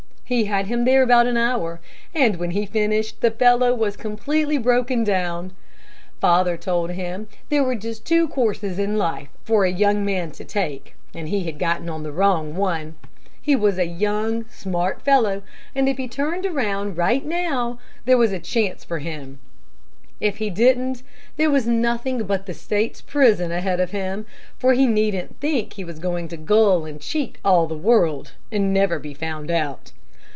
He had him there about an hour, and when he finished, the fellow was completely broken down. Father told him that there were just two courses in life for a young man to take, and he had gotten on the wrong one. He was a young, smart fellow, and if he turned right around now, there was a chance for him. If he didn't there was nothing but the State's prison ahead of him, for he needn't think he was going to gull and cheat all the world, and never be found out.